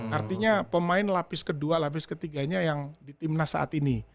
artinya pemain lapis kedua lapis ketiganya yang di timnas saat ini